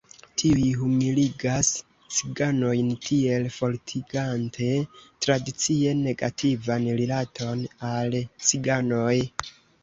Tiuj humiligas ciganojn, tiel fortigante tradicie negativan rilaton al ciganoj.